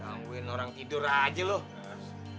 lampuin orang tidur aja loh